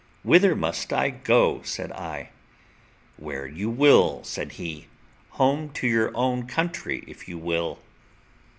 "Whither must I go?" said I. "Where you will," said he, "home to your own country, if you will."